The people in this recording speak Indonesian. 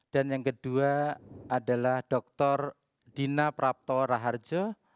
dan yang kedua adalah doktor dina prapto raharjo